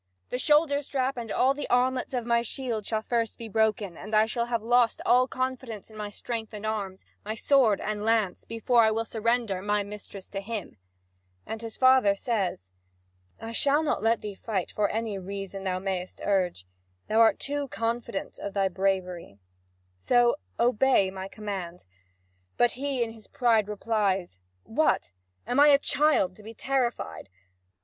The shoulder strap and all the armlets of my shield shall first be broken, and I shall have lost all confidence in my strength and arms, my sword and lance, before I will surrender my mistress to him." And his father says: "I shall not let thee fight for any reason thou mayest urge. Thou art too confident of thy bravery. So obey my command." But he in his pride replies: "What? Am I a child to be terrified?